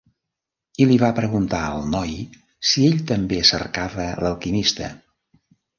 I li va preguntar al noi si ell també cercava l'alquimista.